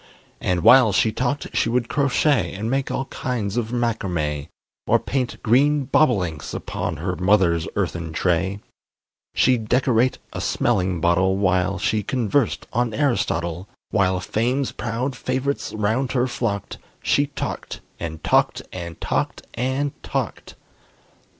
And while she talked she would crochet, And make all kinds of macrame, Or paint green bobolinks upon Her mother's earthen tray; She'd decorate a smelling bottle While she conversed on Aristotle; While fame's proud favorites round her flocked, She talked and talked and talked and talked!